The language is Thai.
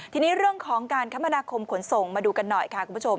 ทีนี้เรื่องของการคมนาคมขนส่งมาดูกันหน่อยค่ะคุณผู้ชม